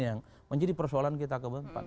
yang menjadi persoalan kita keempat